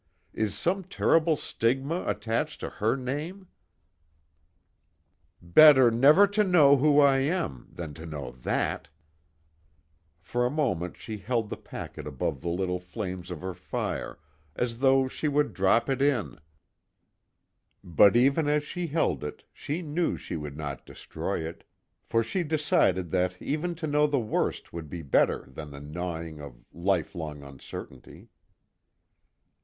Is some terrible stigma attached to her name? Better never to know who I am, than to know that!" For a moment she held the packet above the little flames of her fire as though she would drop it in, but even as she held it she knew she would not destroy it, for she decided that even to know the worst would be better than the gnawing of life long uncertainty.